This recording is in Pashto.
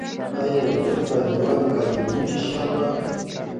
ایا یو څوک باید یوازې کاریدونکي شیان واخلي